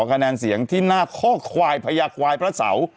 คะแนนเสียงที่หน้าข้อควายพญาควายพระเสา